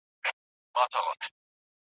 محصل د ليکني وروستۍ بڼه سموي.